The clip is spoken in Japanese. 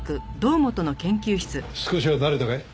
少しは慣れたかい？